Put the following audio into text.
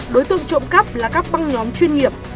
đối tượng trộm cắp là các băng nhóm chuyên nghiệp